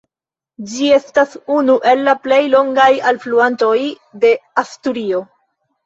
Ĝi estas unu el la plej longaj alfluantoj de Asturio.